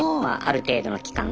ある程度の期間